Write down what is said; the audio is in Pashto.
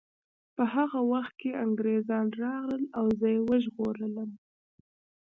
په هغه وخت کې انګریزان راغلل او زه یې وژغورلم